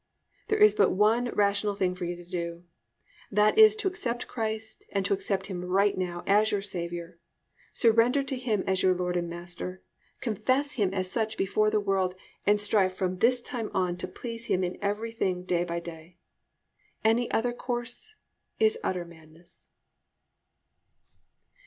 There is but one rational thing for you to do, that is to accept Christ and accept Him right now as your Saviour, surrender to Him as your Lord and Master, confess Him as such before the world, and strive from this time on to please Him in everything day by day. Any other course is utter madness.